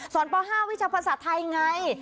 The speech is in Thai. ป๕วิชาภาษาไทยไง